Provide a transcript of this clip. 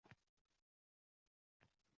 Demoqchimanki siz har doim ko’proq o’rganib